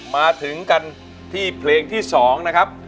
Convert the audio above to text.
มาถึงกันที่เพลงที่๒นะครับ